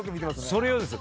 それ用です。